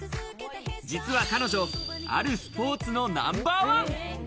実は彼女、あるスポーツのナンバーワン。